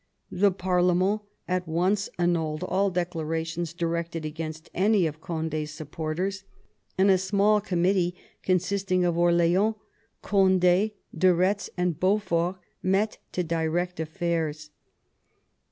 The parkmeni at once annulled all declarations directed against any of Condi's supporters, and a small com 90 MAZARIN chap. mittee, consisting of Orleans, Cond^, de Retz, and Beaufort, met to direct affairs.